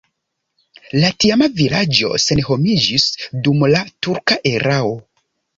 La tiama vilaĝo senhomiĝis dum la turka erao.